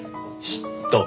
嫉妬。